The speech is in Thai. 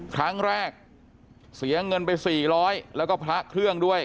ครั้งแรกเสียเงินไป๔๐๐แล้วก็พระเครื่องด้วย